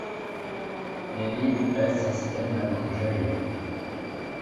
Neniu estas en la manĝejo.